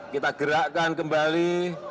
kita gerakkan kembali